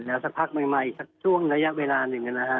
แล้วสักพักมันมาอีกช่วงระยะเวลาหนึ่งนะครับ